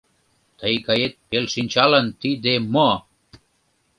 — Тый гает пелшинчалан тиде мо!